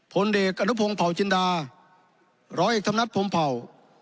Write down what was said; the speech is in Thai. ผลเด็กอนุพงศ์เผาจินดาร้อยธรรมนัฏภงเผา